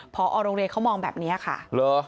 พอโรงเรียนเขามองแบบนี้ค่ะเหรอ